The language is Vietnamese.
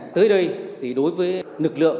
tới đây đối với nực lượng